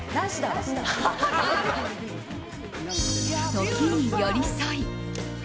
時に寄り添い。